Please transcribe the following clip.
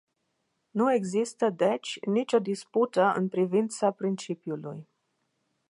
Nu există deci nicio dispută în privința principiului.